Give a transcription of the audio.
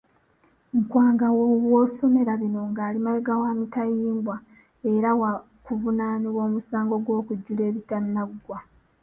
Nkwanga w'osomera bino ng'ali mabega wa mitayimbwa era waakuvunaanibwa omusango gw'okujjula ebitanaggya.